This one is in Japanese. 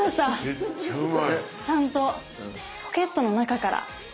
ちゃんとポケットの中から。